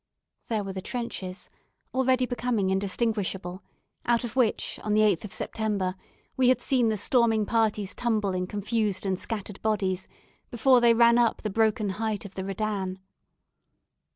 There were the trenches, already becoming indistinguishable, out of which, on the 8th of September, we had seen the storming parties tumble in confused and scattered bodies, before they ran up the broken height of the Redan.